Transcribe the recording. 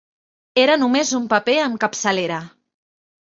Era només un paper amb capçalera.